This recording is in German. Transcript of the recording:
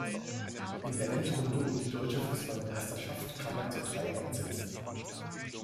In der Endrunde um die deutsche Fußballmeisterschaft kam er zu drei Einsätzen.